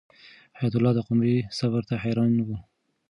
حیات الله د قمرۍ صبر ته ډېر حیران و.